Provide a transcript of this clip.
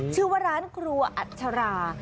ชื่อว่าร้านครัวอัชรา